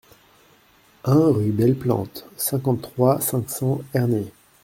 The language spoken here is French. un rue Belle-Plante, cinquante-trois, cinq cents, Ernée